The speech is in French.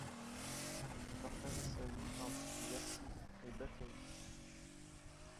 Il partage sa vie entre Iași et Bacău.